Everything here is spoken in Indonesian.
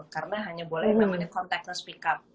karena hanya boleh kontak dan speak up